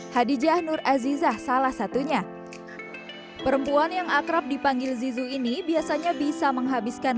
hadijah nur azizah salah satunya perempuan yang akrab dipanggil zizu ini biasanya bisa menghabiskan